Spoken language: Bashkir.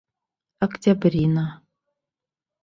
Октябрина...